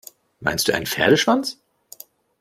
Meinst du einen Pferdeschwanz?